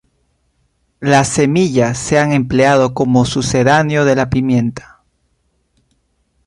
Las semillas se han empleado como sucedáneo de la pimienta.